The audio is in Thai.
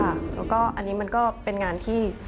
แล้วก็อันนี้มันก็เป็นงานที่